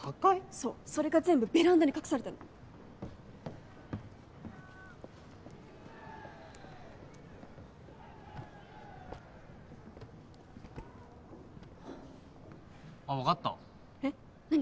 そうそれが全部ベランダに隠されてるのあっ分かったえっ何？